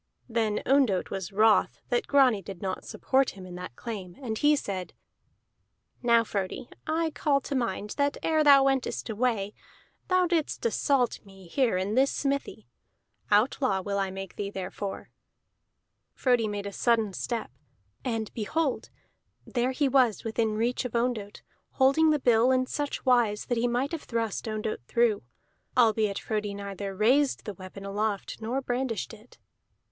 Then Ondott was wroth that Grani did not support him in that claim, and he said: "Now, Frodi, I call to mind that ere thou wentest away, thou didst assault me here in this smithy. Outlaw will I make thee therefor." Frodi made a sudden step, and behold! there he was within reach of Ondott, holding the bill in such wise that he might have thrust Ondott through, albeit Frodi neither raised the weapon aloft nor brandished it.